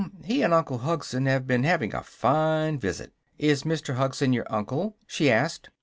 He and Uncle Hugson have been having a fine visit." "Is Mr. Hugson your uncle?" she asked.